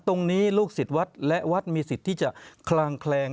ลูกศิษย์วัดและวัดมีสิทธิ์ที่จะคลางแคลง